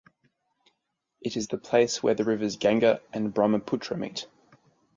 It is the place where the rivers Ganga and Brahmaputra meet.